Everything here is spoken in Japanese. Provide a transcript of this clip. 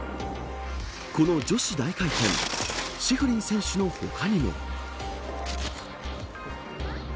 この女子大回転シフリン選手の他にも。